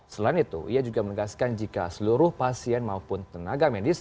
selain itu ia juga menegaskan jika seluruh pasien maupun tenaga medis